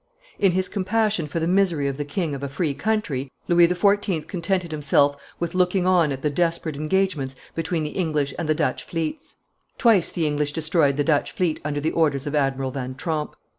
In his compassion for the misery of the king of a free country, Louis XIV. contented himself with looking on at the desperate engagements between the English and the Dutch fleets. Twice the English destroyed the Dutch fleet under the orders of Admiral van Tromp.